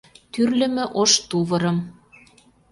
Тӱрлымӧ ош тувырым